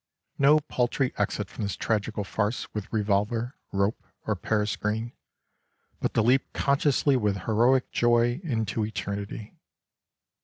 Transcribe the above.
No paltry exit from this tragical farce with revolver, rope or Paris green, but to leap consciously with heroic joy into eternity.